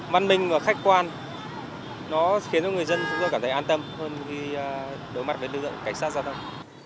văn minh và khách quan nó khiến cho người dân cảm thấy an tâm hơn khi đối mặt với lưu dựng cảnh sát giao thông